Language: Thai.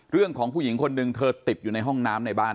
เรื่องของผู้หญิงคนหนึ่งเธอติดอยู่ในห้องน้ำในบ้าน